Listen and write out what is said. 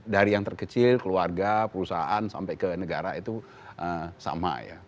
dari yang terkecil keluarga perusahaan sampai ke negara itu sama ya